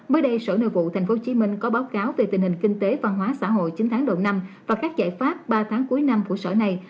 mới đây sở nội vụ tp hcm có báo cáo về tình hình kinh tế văn hóa xã hội chín tháng đầu năm và các giải pháp ba tháng cuối năm của sở này